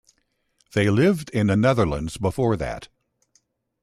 They lived in the Netherlands before that.